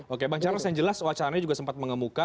oke bang charles yang jelas wacananya juga sempat mengemuka